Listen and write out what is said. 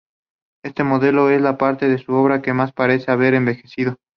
Este modelo es la parte de su obra que más parece haber envejecido.